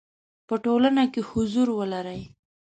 په ټولنه کې حضور ولري.